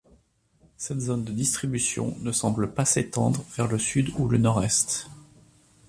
Cette zone de distribution ne semble pas s'étendre vers le sud ou le nord-est.